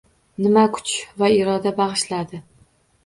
Nima kuch va iroda bag‘ishladi?